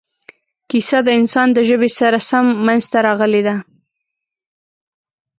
کیسه د انسان د ژبې سره سم منځته راغلې ده.